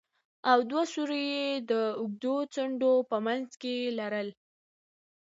او دوه سوري يې د اوږدو څنډو په منځ کښې لرل.